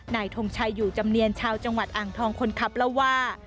ทงชัยอยู่จำเนียนชาวจังหวัดอ่างทองคนขับเล่าว่า